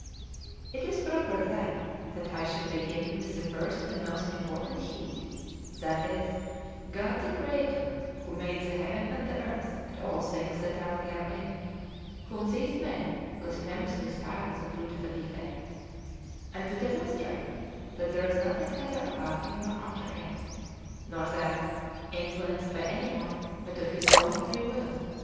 1. It is proper, then, that I should begin with the first and most important head, that is, God the Creator, who made the heaven and the earth, and all things that are therein (whom these men blasphemously style the fruit of a defect), and to demonstrate that there is nothing either above Him or after Him ; nor that, influenced by any one, but of His own free will.